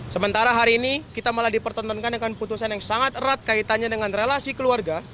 sementara hari ini kita malah dipertontonkan dengan putusan yang sangat erat kaitannya dengan relasi keluarga